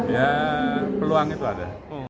ya peluang itu ada